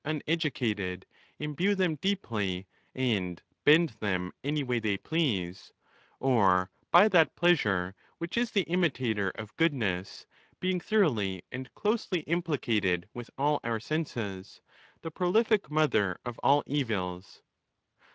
uneducated, imbue them deeply, and bend them any way they please; or by that pleasure which is the imitator of good ness, being thoroughly and closely implicated with all our senses—the prolific mother of all evils.